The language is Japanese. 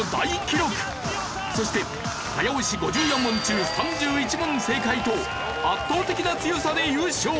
そして早押し５４問中３１問正解と圧倒的な強さで優勝！